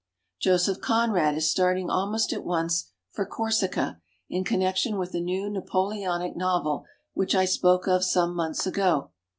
«*«« Joseph Conrad is starting almost at once for Corsica in connection with the new Napoleonic novel which I spoke of some months ago.